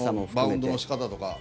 バウンドの仕方とか。